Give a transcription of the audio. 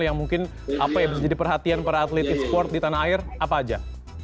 yang mungkin apa ya bisa jadi perhatian para atlet e sport di tanah air apa aja